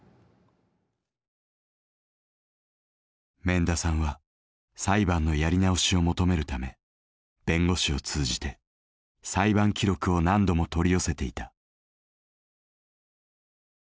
免田さんは裁判のやり直しを求めるため弁護士を通じて裁判記録を何度も取り寄せていた。